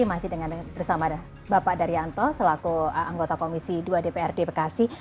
masih bersama bapak daryanto selaku anggota komisi dua dprd bekasi